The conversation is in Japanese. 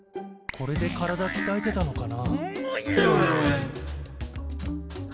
これで体きたえてたのかな？